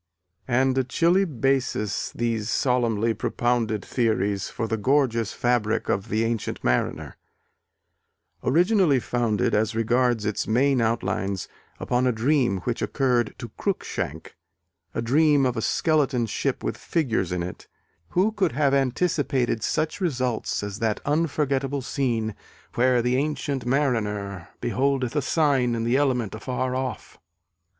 And a chilly basis, these solemnly propounded theories, for the gorgeous fabric of The Ancient Mariner. Originally founded, as regards its main outlines, upon a dream which occurred to Cruikshank, a dream of a skeleton ship with figures in it, who could have anticipated such results as that unforgettable scene where "The Ancient Mariner beholdeth a sign in the element afar off"?